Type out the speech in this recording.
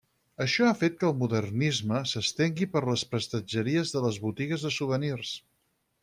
Això ha fet que el Modernisme s'estengui per les prestatgeries de les botigues de souvenirs.